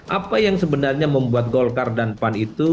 apa yang sebenarnya membuat golkar dan pan itu